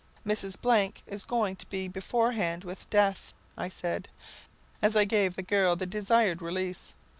"Mrs. is going to be beforehand with death," I said, as I gave the girl the desired release.